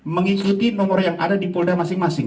mengikuti nomor yang ada di polda masing masing